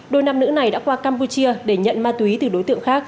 đôi nam nữ này đã qua campuchia để nhận ma túy từ đối tượng khác